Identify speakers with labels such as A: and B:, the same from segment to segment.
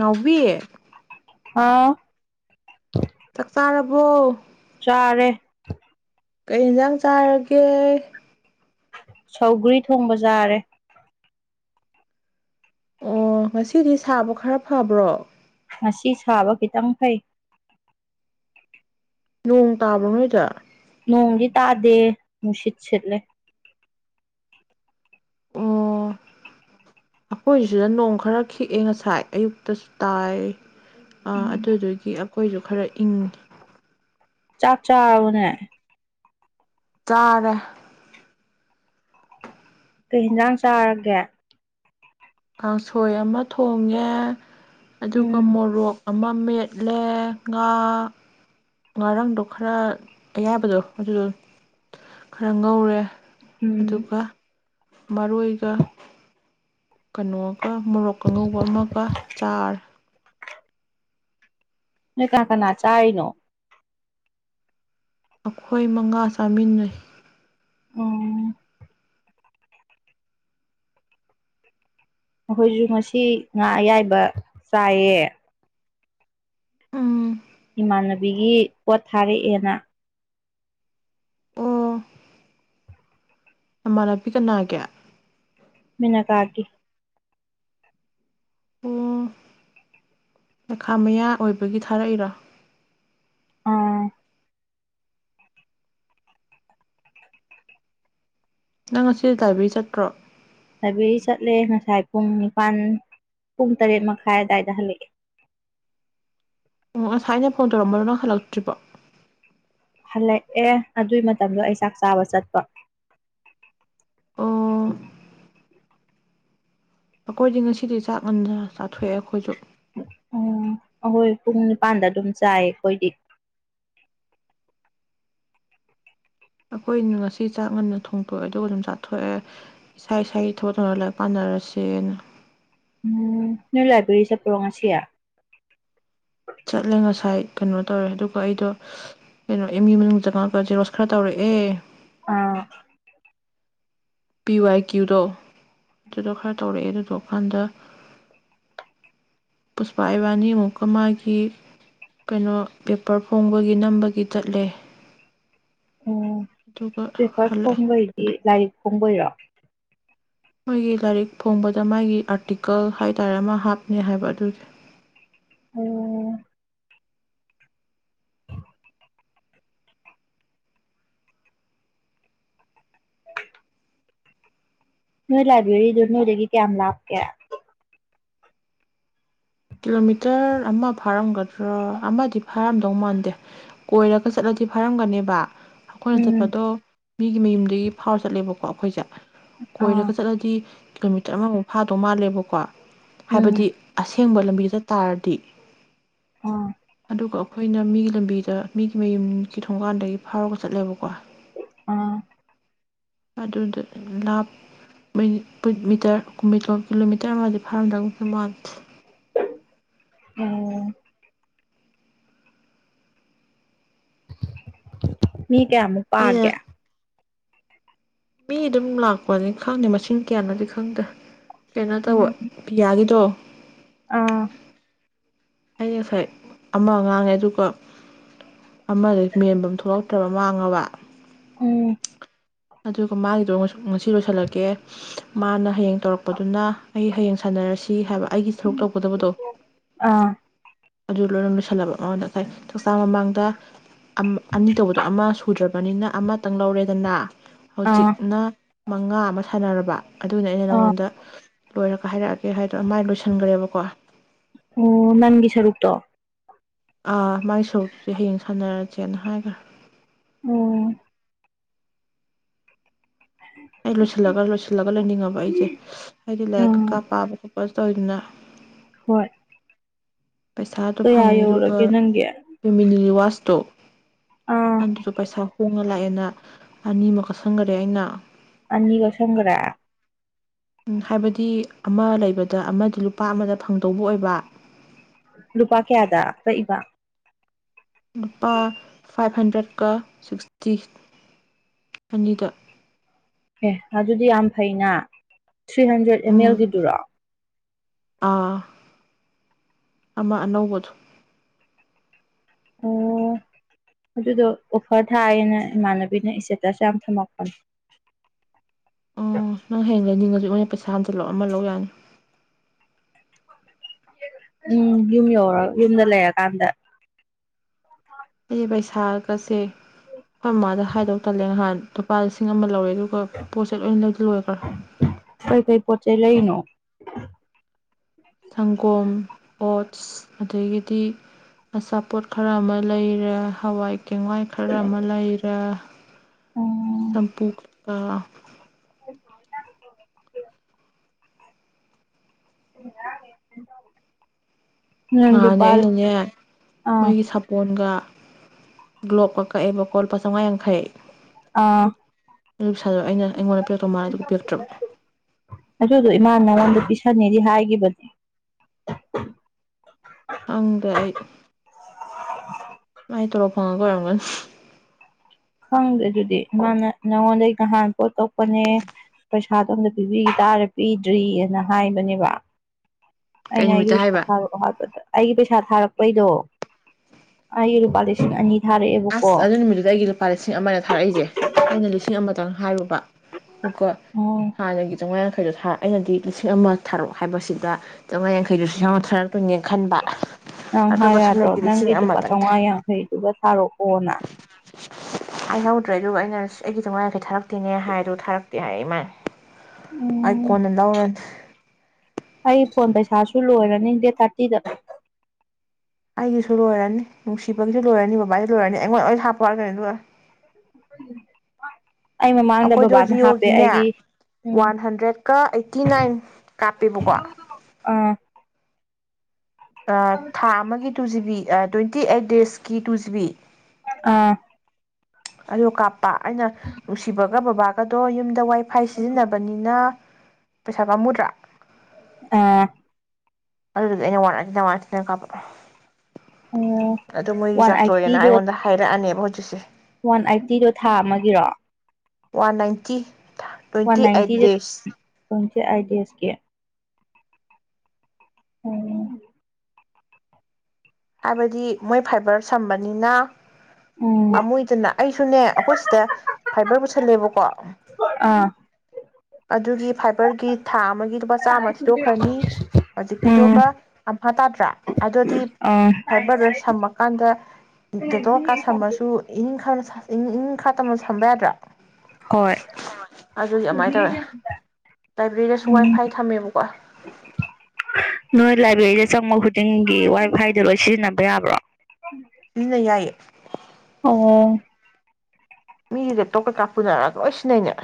A: ꯅꯥꯎꯕꯤ
B: ꯍꯥꯎ
A: ꯆꯥꯛ ꯆꯥꯔꯕꯣ
B: ꯆꯥꯔꯦ
A: ꯀꯩ ꯌꯦꯟꯁꯥꯡ ꯆꯥꯔꯒꯦ
B: ꯁꯧꯒ꯭ꯔꯤ ꯊꯣꯡꯕ ꯆꯥꯔꯦ
A: ꯑꯣ ꯉꯁꯤꯗꯤ ꯁꯥꯕ ꯈꯔ ꯐꯕ꯭ꯔꯣ
B: ꯉꯁꯤ ꯁꯥꯕ ꯈꯤꯇꯪ ꯐꯩ
A: ꯅꯣꯡ ꯇꯥꯕ ꯅꯣꯏꯗ
B: ꯅꯣꯡꯗꯤ ꯇꯥꯗꯦ ꯅꯨꯡꯁꯤꯠ ꯁꯤꯠꯂꯦ
A: ꯑꯣ ꯑꯩꯈꯣꯏꯁꯤꯗ ꯅꯣꯡ ꯈꯔ ꯈꯤꯛꯑꯦ ꯉꯁꯥꯏ ꯑꯌꯨꯛꯇꯁꯨ ꯇꯥꯏ ꯑ
B: ꯎꯝ
A: ꯑꯗꯨꯗꯨꯒꯤ ꯑꯩꯈꯣꯏꯁꯨ ꯈꯔ ꯏꯪꯉꯤ
B: ꯆꯥꯥꯛ ꯆꯥꯔꯥꯕꯣꯅꯦ
A: ꯆꯥꯔꯦ
B: ꯀꯩ ꯍꯤꯟꯖꯥꯡ ꯆꯥꯔꯒꯦ
A: ꯀꯥꯡꯁꯣꯏ ꯑꯃ ꯊꯣꯡꯉꯦ ꯑꯗꯨꯒ
B: ꯎꯝ
A: ꯃꯣꯔꯣꯛ ꯑꯃ ꯃꯦꯠꯂꯦ ꯉꯥ ꯉꯥꯔꯪꯗꯣ ꯈꯔ ꯑꯌꯥꯕꯗꯣ ꯑꯗꯨꯗꯣ ꯈꯔ ꯉꯧꯔꯦ
B: ꯎꯨꯝ
A: ꯑꯗꯨꯒ ꯃꯔꯣꯏꯒ ꯀꯅꯣꯒ ꯃꯣꯔꯣꯛ ꯉꯧꯕ ꯑꯃꯒ ꯆꯥꯔꯦ
B: ꯅꯣꯏ ꯀꯅꯥ-ꯀꯅꯥ ꯆꯥꯏꯅꯣ
A: ꯑꯈꯣꯏ ꯃꯉꯥ ꯆꯥꯃꯤꯟꯅꯩ
B: ꯎꯝ ꯑꯈꯣꯏꯁꯨ ꯉꯁꯤ ꯉꯥ ꯑꯌꯥꯏꯕ ꯆꯥꯏꯌꯦ
A: ꯎꯝ
B: ꯏꯃꯥꯟꯅꯕꯤꯒꯤ ꯄꯣꯠ ꯊꯥꯔꯛꯑꯦꯅ-
A: ꯃꯃꯥꯟꯅꯕꯤ ꯀꯅꯥꯒꯤ
B: ꯃꯤꯅꯥꯀꯥꯒꯤ
A: ꯑꯣ ꯄꯩꯈꯥ ꯃꯌꯥ ꯑꯣꯏꯕꯒꯤ ꯊꯥꯔꯛꯏꯔꯣ
B: ꯑꯥ
A: ꯅꯪ ꯉꯁꯤ ꯂꯥꯏꯕꯔꯤ ꯆꯠꯇ꯭ꯔꯣ
B: ꯂꯥꯏꯕꯔꯤ ꯆꯠꯂꯦ ꯉꯁꯥꯏ ꯄꯨꯡ ꯅꯤꯄꯥꯜ ꯄꯨꯡ ꯇꯔꯦꯠ ꯃꯈꯥꯏ ꯑꯋꯥꯏꯗ ꯍꯜꯂꯛꯑꯦ
A: ꯎꯨ ꯉꯁꯥꯏ ꯑꯩꯅ ꯐꯣꯟ ꯇꯧꯔꯝꯕꯗꯨꯣ ꯅꯪ ꯍꯜꯂꯛꯇ꯭ꯔꯤꯕꯣ
B: ꯍꯜꯂꯛꯑꯦ ꯑꯗꯨꯒꯤ ꯃꯇꯝꯗꯣ ꯑꯩ ꯆꯥꯛ ꯆꯥꯕ ꯆꯠꯄ
A: ꯑꯣ ꯑꯩꯈꯣꯏꯗꯤ ꯉꯁꯤꯗꯤ ꯆꯥꯛ ꯉꯟꯅ ꯆꯥꯊꯣꯛꯑꯦ ꯑꯩꯈꯣꯏꯁꯨ
B: ꯎꯨꯝ ꯑꯩꯈꯣꯏ ꯄꯨꯡ ꯅꯤꯄꯥꯥꯟꯗ ꯑꯗꯨꯝ ꯆꯥꯏ ꯑꯩꯈꯣꯏꯗꯤ
A: ꯑꯩꯈꯣꯏꯅ ꯉꯁꯤ ꯆꯥꯛ ꯉꯟꯅ ꯊꯣꯡꯇꯣꯛꯑꯦ ꯑꯗꯨꯒ ꯑꯗꯨꯝ ꯆꯥꯊꯣꯛꯑꯦ ꯏꯁꯥ ꯏꯁꯥꯒꯤ ꯊꯣꯡꯉ ꯂꯥꯏꯔꯤꯛ ꯄꯥꯅꯔꯁꯦꯅ
B: ꯎꯨꯝ ꯅꯪ ꯂꯥꯏꯕ꯭ꯔꯦꯔꯤ ꯆꯠꯄꯔꯣꯉꯁꯤꯌꯥ
A: ꯆꯠꯂꯦ ꯉꯁꯥꯏ ꯀꯩꯅꯣ ꯇꯧꯔꯦ ꯑꯗꯨꯒ ꯑꯩꯗꯣ ꯀꯩꯅꯣ ꯑꯦꯝꯒꯤ ꯃꯅꯨꯡꯗ ꯆꯪꯉꯛꯑꯒ ꯖꯦꯔꯣꯁ ꯈꯔ ꯇꯧꯔꯛꯑꯦ
B: ꯑꯥ
A: ꯄꯤ ꯋꯥꯏ ꯀꯌꯨꯗꯣ ꯑꯗꯨꯗꯣ ꯈꯔ ꯇꯧꯔꯛꯑꯦ ꯑꯗꯨꯗꯣꯛꯑꯀꯥꯟꯗ ꯄꯨꯁꯄꯥ ꯏꯕꯥꯅꯤ ꯑꯃꯨꯛꯀ ꯃꯥꯒꯤ ꯀꯩꯅꯣ ꯄꯦꯄꯔ ꯐꯣꯡꯕꯒꯤ ꯅꯝꯕꯒꯤ ꯆꯠꯂꯦ
B: ꯑꯣ
A: ꯑꯗꯨꯒ
B: ꯄꯦꯄꯔ
A: ꯍꯜꯂꯛꯑꯦ
B: ꯐꯣꯡꯕ ꯍꯥꯏꯗꯤ ꯂꯥꯏꯔꯤꯛ ꯐꯣꯡꯕꯩꯔꯣ
A: ꯃꯣꯏꯒꯤ ꯂꯥꯏꯔꯤꯛ ꯐꯣꯡꯕꯗ ꯃꯥꯒꯤ ꯑꯥꯔꯇꯤꯀꯜ ꯍꯥꯏꯇꯥꯔꯦ ꯑꯃ ꯍꯥꯞꯅꯤ ꯍꯥꯏꯕ ꯑꯗꯨꯒꯤ
B: ꯑꯣ ꯅꯣꯏ ꯂꯥꯏꯕ꯭ꯔꯦꯔꯤꯗꯣ ꯅꯣꯏꯗꯒꯤ ꯀꯌꯥꯝ ꯂꯥꯞꯀꯦ
A: ꯀꯤꯂꯣꯃꯤꯇꯔ ꯑꯃ ꯐꯥꯔꯝꯒꯗ꯭ꯔꯣ ꯑꯃꯗꯤ ꯐꯥꯔꯝꯗꯧ ꯃꯥꯟꯗꯦ ꯀꯣꯏꯔꯒ ꯆꯠꯂꯗꯤ ꯐꯥꯔꯝꯒꯅꯦꯕ ꯑꯈꯣꯏꯅ
B: ꯎꯝ
A: ꯆꯠꯄꯗꯣ ꯃꯤꯒꯤ ꯃꯌꯨꯝꯗꯒꯤ ꯐꯥꯎꯔ ꯆꯠꯂꯦꯕ ꯑꯩꯈꯣꯏꯁꯦ
B: ꯑꯥ
A: ꯀꯣꯏꯔꯒ ꯆꯠꯂꯗꯤ ꯀꯤꯂꯣꯃꯤ ꯇꯔ ꯑꯃꯃꯨꯛ ꯐꯥꯗꯧ ꯃꯥꯜꯂꯦꯕꯀꯣ
B: ꯎꯝ
A: ꯍꯥꯏꯕꯗꯤ ꯑꯁ ꯊꯦꯡꯕ ꯂꯝꯕꯤꯗ ꯆꯠ ꯇꯥꯔꯗꯤ
B: ꯑꯣ
A: ꯑꯗꯨꯒ ꯑꯩꯈꯣꯏꯅ ꯃꯤꯒꯤ ꯂꯝꯕꯤꯗ ꯃꯤꯒꯤ ꯃꯌꯨꯝꯒꯤ ꯊꯣꯡꯒꯥꯟꯗꯒꯤ ꯐꯥꯎꯔꯒ ꯆꯠꯂꯦꯕꯀꯣ
B: ꯑꯣ
A: ꯑꯗꯨꯗ ꯂꯥꯞ ꯃꯤꯇꯔ ꯀꯨꯜ ꯀꯤꯂꯣꯃꯤꯇꯔ ꯑꯃꯗꯤ ꯐꯥꯔꯝꯗꯧ ꯃꯥꯟꯗꯦ
B: ꯎꯝ [unintelligible] ꯃꯤ ꯀꯌꯥꯃꯨꯛ
A: ꯑꯩꯅ
B: ꯄꯥꯒꯦ
A: ꯃꯤ ꯑꯗꯨꯝ ꯂꯥꯛꯄꯅꯤ ꯈꯪꯗꯦ ꯃꯁꯤꯡ ꯀꯌꯥꯅꯣꯗꯤ ꯈꯪꯗꯦ ꯀꯩꯅꯣ ꯇꯧꯕ
B: ꯎꯝ
A: ꯄꯤꯌꯥꯒꯤꯗꯣ
B: ꯑꯥ
A: ꯑꯩ ꯉꯁꯥꯏ ꯑꯃ ꯉꯥꯡꯉꯥꯁꯨ ꯀꯣ ꯑꯃꯗ ꯃꯦꯟꯐꯝ ꯊꯣꯛꯂꯛꯇ꯭ꯔꯕ ꯃꯥꯡꯉꯕ
B: ꯑꯣ
A: ꯑꯗꯨꯒ ꯃꯥꯒꯤꯗꯣ ꯉꯁꯤ ꯂꯣꯏꯁꯤꯜꯂꯛꯀꯦ ꯃꯥꯅ ꯍꯌꯦꯡ ꯇꯧꯔꯛꯄꯗꯨꯅ ꯑꯩ ꯍꯌꯦꯡ ꯁꯥꯟꯅꯔꯁꯤ ꯍꯥꯏꯕ ꯑꯩꯒꯤ ꯁꯔꯨꯛ ꯇꯧꯒꯗꯕꯗꯣ
B: ꯑꯥ
A: ꯑꯗꯨ ꯂꯣꯏꯅ ꯂꯣꯏꯁꯤꯜꯂꯕ ꯃꯉꯗ ꯉꯁꯥꯏ ꯆꯥꯛꯆꯥ ꯃꯃꯥꯡꯗ ꯑꯅꯤ ꯇꯧꯕꯗꯣ ꯑꯃ ꯁꯨꯗ꯭ꯔꯕꯅꯤꯅ ꯑꯃꯇꯪ ꯂꯧꯔꯦ ꯑꯗꯨꯅꯥ
B: ꯑꯥ
A: ꯍꯧꯖꯤꯛꯅ ꯃꯉꯥ ꯑꯃ ꯁꯥꯟꯅꯔꯕ ꯑꯗꯨꯅ ꯑꯩꯅ
B: ꯑꯥ
A: ꯅꯉꯣꯟꯗ ꯂꯣꯏ ꯍꯥꯏꯔꯛꯑꯒꯦ ꯍꯥꯏꯗꯣ ꯃꯥꯏ ꯂꯣꯏꯁꯤꯟꯈ꯭ꯔꯦꯕꯀꯣ
B: ꯑꯣ ꯅꯪꯒꯤ ꯁꯔꯨꯛꯇꯣ
A: ꯑꯥ ꯃꯥꯒꯤ ꯁꯔꯨꯇꯨꯁꯦ ꯍꯌꯦꯡ ꯁꯥꯟꯅꯔꯁꯦꯅ ꯍꯥꯏꯈ꯭ꯔꯦ
B: ꯑꯣ
A: ꯑꯩ ꯂꯣꯏꯁꯤꯜꯂꯒ ꯂꯣꯏꯁꯤꯜꯂꯒ ꯂꯩꯅꯤꯡꯉꯕ ꯑꯩꯁꯦ ꯑꯩꯗꯤ ꯂꯥꯏꯔꯤꯛ
B: ꯑꯥ
A: ꯀꯩꯀꯥ ꯄꯥꯕ [unintelligible]
B: ꯍꯣꯏ
A: ꯄꯩꯁꯥꯗꯣ
B: ꯀꯌꯥ
A: ꯐꯪꯉꯦ ꯑꯗꯨꯒ
B: ꯌꯧꯔꯒꯦ ꯅꯪꯒꯤ
A: ꯐꯦꯃꯤꯂꯤ ꯋꯥꯁ ꯇꯣ
B: ꯑꯥ
A: ꯑꯗ ꯇ ꯄꯩꯁꯥ ꯂꯥꯛꯑꯦꯅ ꯑꯅꯤꯃꯀ ꯀꯁꯟꯈꯔꯦ ꯑꯩꯅ
B: ꯑꯅꯤ ꯀꯛꯁꯪꯒ꯭ꯔꯦ
A: ꯍꯥꯏꯕꯗꯤ ꯑꯃ ꯂꯩꯕꯗ ꯑꯃꯗꯤ ꯂꯨꯄꯥ ꯑꯃꯗ ꯐꯪꯗꯧꯕ ꯑꯣꯏꯕ
B: ꯂꯨꯄꯥ ꯀꯌꯥꯗ ꯀꯛꯏꯕ
A: ꯂꯨꯄꯥ ꯐꯥꯏꯚ ꯍꯟꯗ꯭ꯔꯦꯠꯀ ꯁꯤꯛꯁꯇꯤ ꯑꯅꯤꯗ
B: ꯑꯦ ꯑꯗꯨꯗꯤ ꯌꯥꯝ ꯐꯩꯅ ꯊ꯭ꯔꯤ ꯍꯟꯗ꯭ꯔꯦꯗ ꯑꯦꯝ
A: ꯎꯝ
B: ꯑꯦꯜꯒꯤꯗꯨꯔꯥ
A: ꯑꯥ ꯑꯃ ꯑꯅꯧꯕꯗꯨ
B: ꯑꯣ ꯑꯗꯨꯗꯣ ꯑꯣꯐꯔ ꯊꯥꯏꯑꯌꯦꯅ ꯏꯃꯥꯟꯅꯕꯤꯅ ꯏꯁꯆꯦꯠꯇꯁꯨ ꯌꯥꯝ ꯊꯝꯃꯛꯄꯅꯤ
A: ꯑꯣ ꯅꯪ ꯍꯥꯌꯦꯡ ꯂꯩꯅꯤꯡꯉꯁꯨ ꯅꯣꯏꯅ ꯄꯩꯁꯥ ꯍꯟꯖꯜꯂꯑꯣ ꯑꯃ ꯂꯧ ꯌꯥꯅꯤ
B: ꯎꯝ ꯌꯨꯝ ꯌꯧꯔ ꯌꯨꯝꯗ ꯂꯩꯔꯀꯥꯟꯗ
A: ꯑꯩꯁ ꯄꯩꯁꯥ ꯀꯁꯦ ꯍꯣꯏ ꯃꯃꯥꯗ ꯍꯥꯏꯗꯧ ꯇꯜꯂꯦ ꯅꯍꯥꯟ ꯂꯨꯄꯥ ꯂꯤꯁꯤꯡ ꯑꯃ ꯂꯧꯔꯦ ꯑꯗꯨꯒ ꯄꯣꯠꯁꯦ ꯂꯣꯏꯅ ꯂꯩꯊꯣꯛ ꯎꯔꯦ ꯈꯔꯥ
B: ꯀꯩꯀꯩ ꯄꯣꯠ ꯆꯩ [inaudible]
A: ꯁꯪꯒꯣꯝ ꯑꯣꯠꯁ ꯑꯗꯒꯤꯗꯤ ꯑꯆꯥꯄꯣꯠ ꯈꯔ ꯑꯃ ꯂꯩꯔꯦ ꯍꯋꯥꯏ ꯆꯦꯡꯋꯥꯏ ꯈꯔ ꯑꯃ ꯂꯩ ꯌꯥ
B: ꯎꯝ
A: ꯁꯝꯄꯨꯒꯥ
B: [inaudible] [inaudible]
A: ꯉꯍꯥꯟꯅꯦ
B: ꯂꯨꯄꯥ
A: ꯑꯩꯅꯅꯦ
B: ꯑꯥ
A: ꯃꯣꯏꯒꯤ ꯁꯥꯄꯣꯟꯒ ꯒ꯭ꯂꯣꯞꯀ ꯀꯛꯑꯦꯕꯀꯣ ꯂꯨꯄꯥ ꯆꯥꯎꯉꯥ ꯌꯥꯡꯈꯩ
B: ꯑꯥ
A: ꯑꯗꯨ ꯁꯥꯖꯕ ꯑꯩꯅ ꯑꯩꯉꯣꯟꯗ ꯄꯤꯔꯛꯇꯧ ꯃꯥꯜꯂꯦ ꯑꯗꯨꯒ ꯄꯤꯔꯛꯇ꯭ꯔꯕ
B: ꯁꯅꯤꯗꯤ ꯍꯥꯏꯈꯤꯕꯅꯤ
A: ꯈꯪꯗꯦ ꯑꯩ ꯐꯉ ꯀꯔꯝꯕ
B: ꯈꯪꯗꯦ ꯑꯗꯨꯗꯤ ꯃꯥꯅ ꯅꯉꯣꯟꯗꯒꯤ ꯅꯍꯥꯟ ꯄꯣ ꯇꯣꯛꯄꯅꯦ ꯄꯩꯁꯥꯗꯣ ꯑꯝꯗ ꯄꯤꯕꯤ ꯇꯥꯔ ꯄꯤꯗ꯭ꯔꯤꯑꯅ ꯍꯥꯏꯕꯅꯦꯕ
A: ꯀꯩ
B: ꯑꯩꯅ ꯑꯩꯒꯤ
A: ꯅꯨꯃꯤꯠꯇ
B: ꯄꯩꯁꯥ
A: ꯍꯥꯏꯕ
B: ꯊꯥꯔꯛꯑꯣ ꯍꯥꯏꯕꯗ ꯑꯩꯒꯤ ꯄꯩꯁꯥ ꯊꯥꯔꯛꯄꯩꯗꯣ ꯑꯩꯒꯤ ꯂꯨꯄꯥ ꯂꯤꯁꯤꯡ ꯑꯅꯤ ꯊꯥꯔꯛꯑꯦꯕꯀꯣ
A: ꯑꯁ ꯑꯗꯨ ꯅꯨꯃꯤꯠ ꯇꯨꯗꯤ ꯑꯩꯒꯤ ꯂꯨꯞ ꯂꯨꯄꯥ ꯂꯤꯁꯤꯡ ꯑꯃꯅ ꯊꯥꯔꯛꯏꯁꯦ ꯑꯩꯅ ꯂꯤꯁꯤꯡ ꯑꯃꯇꯪ ꯍꯥꯏꯔꯨꯕ ꯀꯣ
B: ꯑꯣ
A: ꯍꯥꯟꯅꯒꯤ ꯆꯥꯝꯉꯥ ꯈꯔꯥ ꯊ ꯑꯩꯅꯗꯤ ꯂꯤꯁꯤꯡ ꯑꯃ ꯊꯥꯔꯛ ꯑꯣ ꯍꯥꯏꯕꯁꯤꯗ ꯆꯥꯝꯉꯥ ꯌꯥꯡꯈꯩꯗ ꯂꯤꯁꯤꯡ ꯊꯥꯔꯛ
B: ꯅꯪ ꯍꯥꯏ ꯌꯥꯗ꯭ꯔꯣ
A: ꯁꯨꯞꯅꯒꯤ ꯂꯤꯁꯤꯡ
B: ꯅꯪꯒꯤ ꯂꯨꯄꯥ
A: ꯑꯃꯇꯪ
B: ꯆꯥꯃꯉꯥ ꯌꯥꯡꯈꯩꯗꯨꯒ ꯊꯥꯔꯣ ꯑꯣꯅꯥ
A: ꯍꯥꯏ ꯍꯧꯗ꯭ꯔꯦ ꯑꯗꯨꯒ ꯑꯩꯅ ꯑꯩꯒꯤ ꯆꯥꯝꯉꯥ ꯉꯥꯏꯈꯩ ꯊꯥꯔꯛꯇꯦꯅꯦ ꯍꯥꯏꯗꯣ ꯊꯥꯔꯛꯇꯦ ꯍꯥꯏ ꯃꯥꯟꯅ ꯑꯩ
B: ꯎꯝ
A: ꯀꯣꯟꯅ ꯂꯧꯔꯅꯤ
B: ꯑꯩ ꯐꯣꯟ ꯄꯩꯁꯥꯁꯨ ꯂꯣꯏꯔꯅꯤ ꯗꯦꯠ ꯊꯥꯔꯇꯤꯗ
A: ꯑꯩꯒꯤꯁꯨ ꯂꯣꯏꯔꯅꯤ ꯅꯨꯡꯁꯤꯕꯒꯤꯁꯨ ꯂꯣꯏꯔꯅꯤ ꯕꯕꯥꯁꯨ ꯂꯣꯏꯔꯅꯤ ꯑꯩꯉꯣꯟꯗ ꯂꯣꯏ ꯍꯥꯞꯄꯅꯤ ꯑꯗꯨꯒꯥ
B: [inaudible] ꯃꯃꯥꯡꯗ
A: ꯑꯩꯈꯣꯏꯗꯣ
B: ꯕꯕꯥꯅ ꯍꯥꯞꯄꯦ
A: ꯖꯤꯑꯣꯒꯤꯅꯦ
B: ꯑꯩꯒꯤ ꯎꯝ
A: ꯋꯥꯟ ꯍꯟꯗ꯭ꯔꯦꯠꯀ ꯑꯩꯠꯇꯤ ꯅꯥꯏꯟ ꯀꯥꯞꯄꯦꯕꯀꯣ
B: ꯑꯥ
A: ꯊꯥ ꯑꯃꯒꯤ two GB twenty eight days ꯀꯤ ꯇꯨꯁꯕꯤ
B: ꯑꯥ
A: ꯑꯗꯨꯗꯣ ꯀꯥꯞ ꯑꯩꯅ ꯅꯨꯡꯁꯤꯕꯒ ꯕꯕꯥ ꯑꯗꯣ ꯌꯨꯝꯗ ꯋꯥꯏ ꯐꯥꯏ ꯁꯤꯖꯤꯟꯅꯕꯅꯤꯅ ꯄꯩꯁꯥ ꯄꯥꯝꯃꯨꯗ꯭ꯔꯥ
B: ꯑꯥ
A: ꯑꯗꯨꯗꯨꯗꯤ ꯑꯩꯅ ꯋꯥꯔ ꯊꯅ ꯋꯥꯔ ꯊꯤꯅ ꯀꯥꯞꯄ
B: ꯎꯝ
A: ꯑꯗꯨꯗꯣ
B: ꯋꯥꯟ
A: ꯃꯣꯏꯒꯤꯆꯥꯥꯔꯖ ꯂꯣꯏꯔꯦꯅ
B: ꯑꯥꯏꯠꯇꯤꯗꯣ
A: ꯑꯩꯉꯣꯟꯗ ꯍꯥꯏꯔꯛꯑꯅꯦꯕ ꯍꯧꯖꯤꯛ ꯗꯨꯁꯦ
B: ꯋꯥꯟ ꯑꯥꯏꯠꯇꯤꯗꯣ ꯊꯥ ꯑꯃꯒꯤꯔꯣ
A: one ninety twenty eight days
B: ꯑꯥꯏꯗ ꯗ‌ꯦꯁꯀꯤ ꯎꯝ
A: ꯍꯥꯏꯕꯗꯤ ꯃꯣꯏ ꯐꯥꯏꯕꯔ ꯁꯝꯕꯅꯤꯅ
B: ꯎꯝ
A: ꯄꯥꯃꯨꯏꯗꯅ ꯑꯩꯁꯨꯅꯦ ꯑꯩꯈꯣꯏ ꯁꯤꯗ ꯐꯥꯏꯕꯔ ꯄꯨꯁꯜꯂꯦꯕꯀꯣ
B: ꯑꯥ
A: ꯑꯗꯨꯒꯤ ꯐꯥꯏꯕꯔꯒꯤ ꯊꯥ ꯑꯃꯒꯤ ꯂꯨꯄꯥ ꯆꯥꯝꯃꯥ ꯊꯤꯗ‌ꯣꯛꯈ꯭ꯔꯅꯤ
B: ꯎꯝ
A: ꯍꯧꯖꯤꯛꯀꯤꯗꯨꯒ ꯑꯝꯐꯥ ꯇꯥꯗ꯭ꯔꯥ ꯑꯗꯨꯗꯤ
B: ꯑꯥ
A: ꯐꯥꯏꯕꯔꯗꯨ ꯁꯝꯃꯀꯥꯟꯗ ꯗ [unintelligible] ꯏꯈꯥ ꯇꯝꯅ ꯁꯝꯕ ꯌꯥꯗ꯭ꯔꯥ
B: ꯍꯣꯏ
A: ꯑꯗꯨꯗꯤ ꯑꯗꯨꯃꯥꯏꯅ ꯇꯧꯋꯦ ꯂꯥꯏꯕ꯭ꯔꯦꯔꯤꯗꯁꯨ ꯋꯥꯏ
B: ꯎꯝ
A: ꯐꯥꯏ ꯊꯝꯃꯦꯕꯀꯣ
B: ꯕ꯭ꯔꯤꯗ ꯆꯪꯕ ꯈꯨꯗꯤꯡꯒꯤ ꯋꯥꯏ ꯐꯥꯏꯗꯣ ꯂꯣꯏ ꯁꯤꯖꯤꯟꯅꯕ ꯌꯥꯕ꯭ꯔꯣ
A: ꯁꯤꯖꯤꯟꯅ ꯌꯥꯏꯌꯦ
B: ꯑꯣ
A: ꯃꯤꯒꯤ ꯂ‌ꯦꯞꯇꯣꯞꯀꯩꯀꯥ ꯄꯨꯅꯔꯒ ꯂꯣꯏ ꯁꯤꯟꯖꯅꯩꯅꯦ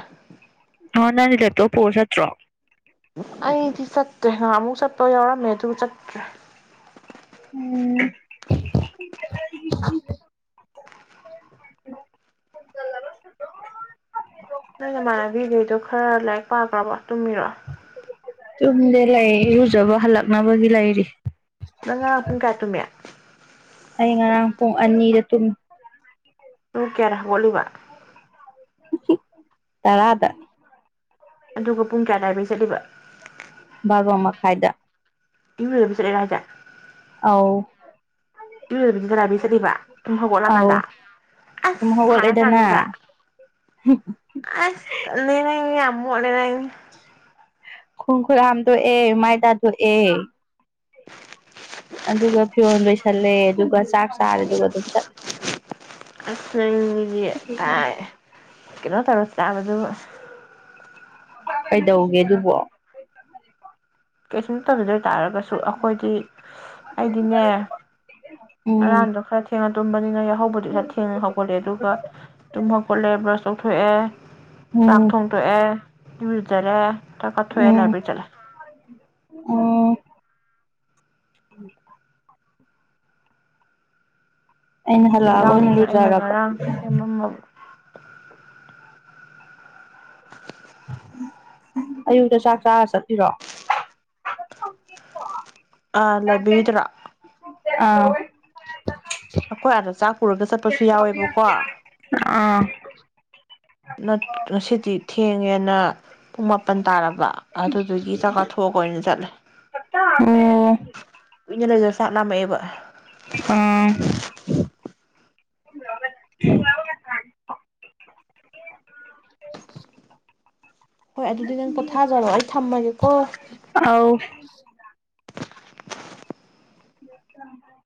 B: ꯍ‌ꯣ ꯅꯪꯗꯤ ꯂ‌ꯦꯞꯇ‌ꯣꯞ ꯄꯨꯔꯒ‌ꯆꯠꯇ ꯇ꯭ꯔ‌ꯣ
A: ꯑꯩꯗꯤ ꯆꯠꯇ꯭ꯔꯦ ꯉꯍꯥꯃꯨꯛ ꯆꯠꯄ ꯌꯥꯎꯔꯝꯃꯦ ꯑꯗꯨ ꯆꯠꯇ꯭ꯔꯦ
B: ꯎꯝ
A: ꯅꯪ ꯅꯃꯥꯟꯅꯕꯤꯈꯩꯗꯣ ꯈꯔ ꯂꯥꯏꯔꯤꯛ ꯄꯥꯈ꯭ꯔꯕ ꯇꯨꯝꯃꯤꯔꯣ
B: ꯇꯨꯝꯗꯦ ꯂꯩ ꯏꯔꯨꯖꯕ ꯍꯜꯂꯛꯅꯕꯒꯤ ꯂꯩꯔꯤ
A: ꯅꯪꯉꯔꯥꯡ ꯄꯨꯡ ꯀꯥꯌꯥ ꯇꯨꯃꯤ
B: ꯑꯩ ꯉꯔꯥꯡ ꯄꯨꯡ ꯑꯅꯤꯗ ꯇꯨꯝ
A: ꯀꯌꯥꯗ ꯍꯧꯒꯠꯂꯤꯕ
B: ꯇꯔꯥꯗ
A: ꯑꯗꯨꯒ ꯄꯨꯡ ꯀꯌꯥꯗ ꯂꯥꯏꯕ꯭ꯔꯤ ꯆꯠꯂꯤꯕ
B: ꯕꯥꯔꯣ ꯃꯈꯥꯏꯗ
A: ꯏꯔꯨꯗꯕꯤ ꯆꯠꯂꯤꯔ‌ꯣ ꯍꯥꯏꯁ‌ꯦ
B: ꯑꯥꯎ
A: ꯏꯔꯨꯖꯗꯕꯤꯗ ꯂꯥꯏꯕ꯭ꯔꯤ ꯆꯠꯂꯤꯕ ꯇꯨꯝ ꯍꯧꯒꯠꯂꯀꯥꯟꯗ
B: ꯑꯧ
A: ꯑꯁ
B: ꯁꯨꯝ
A: ꯁꯥꯔ ꯀꯥꯟꯗꯨꯗ
B: ꯍꯧꯒꯠꯂꯦꯗꯅ
A: ꯑꯁ ꯇꯜꯂꯤꯍ‌‌ꯦ ꯅꯪꯁꯤ ꯌꯥꯝ ꯃꯣꯠꯂ‌‌ꯦ ꯅꯪ
B: ꯈ‌ꯣꯡꯈꯨꯠ ꯍꯥꯝꯇ‌ꯣꯛ ꯑꯦ ꯃꯥꯏꯇꯥꯊ‌ꯣꯛ ꯑꯦ ꯑꯗꯨꯒ ꯐꯤꯔꯣꯟ ꯂꯣꯏꯁꯜꯂꯦ ꯑꯗꯨꯒ ꯆꯥꯛ ꯆꯥꯔꯦꯗꯨꯒ ꯑꯗꯨꯝ ꯆꯠꯂꯦ
A: ꯑꯁ ꯅꯪꯁꯤꯗꯤ ꯇꯥꯏ ꯀꯩꯅꯣ ꯇꯧꯔ ꯆꯥꯕꯗꯨꯕꯨ
B: ꯀꯩꯗꯧꯒꯦ ꯑꯗꯨꯕꯣ
A: ꯀꯩꯁꯨꯅꯠꯇꯕꯤꯗ ꯇꯥꯔꯒꯁꯨ ꯑꯩꯈꯣꯏꯗꯤ ꯑꯩꯗꯤꯅꯦ
B: ꯎꯝ
A: ꯉꯔꯥꯡꯗꯣ ꯈꯔ ꯊꯦꯡꯅ ꯇꯨꯝꯕꯅꯤꯅ ꯌꯥꯍꯧ ꯍꯧꯕꯗꯤ ꯈꯔ ꯊꯦꯡꯅ ꯍꯧꯒꯠꯂꯦ ꯑꯗꯨꯒ ꯇꯨꯝ ꯍꯧꯒꯠꯂꯦ ꯕ꯭ꯔꯁ ꯇꯧꯊꯣꯛꯑꯦ ꯆꯥꯛ
B: ꯎꯝ
A: ꯊꯣꯡꯗ‌ꯣꯛ ꯑꯦ ꯏꯔꯨꯖꯔꯦ ꯆꯥꯛ ꯆꯥꯊ‌ꯣꯛꯑꯦ ꯂꯥꯏꯕꯦꯔꯤ ꯆꯠꯂꯦ
B: ꯑ ꯎꯝ ꯑꯩꯅ ꯍꯜꯂꯛꯑꯒ ꯑꯣꯏꯅ
A: ꯏꯟꯁꯥꯡꯗꯨꯅ ꯑꯩꯅ
B: ꯂꯨꯖꯔꯕ
A: ꯉꯔꯥꯡ ꯁꯦꯝꯃꯝꯕ [inaudible]
B: ꯑꯌꯨꯛꯇ ꯆꯥꯛ ꯆꯥꯔ ꯆꯠꯄꯤꯔꯣ
A: ꯑ ꯂꯥꯏꯕꯤꯔꯤꯗꯔꯣ
B: ꯑꯥ
A: ꯑꯩꯈꯣꯏ ꯑꯥꯗ ꯆꯥꯛ ꯄꯨꯔꯒ ꯆꯠ
B: ꯑꯥ
A: ꯅꯠ ꯉꯁꯤꯗꯤ ꯊꯦꯡꯉꯦꯅ ꯄꯨꯡ ꯃꯥꯄꯜ ꯇꯥꯔꯕ ꯑꯗꯨꯗꯨꯒꯤ ꯆꯥꯛ ꯆꯥꯊꯣꯛꯑꯒ ꯑꯣꯏꯅ ꯆꯠꯂꯦ
B: ꯑꯣ
A: ꯀꯨꯏꯅ ꯂꯩꯗ ꯆꯥꯛ ꯂꯥꯝꯃꯛꯑꯦꯕ
B: ꯑꯥ
A: ꯍꯣꯏ ꯑꯗꯨꯗꯤ ꯅꯪ ꯄꯣꯊꯥꯖꯔꯣ ꯑꯩ ꯊꯝꯃꯒꯦ ꯀꯣ
B: ꯑꯧ ꯊ